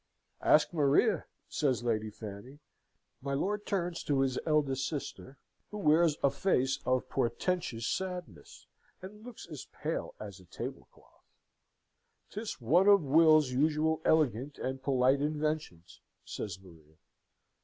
"Ask Maria!" says Lady Fanny. My lord turns to his elder sister, who wears a face of portentous sadness, and looks as pale as a tablecloth. "'Tis one of Will's usual elegant and polite inventions," says Maria.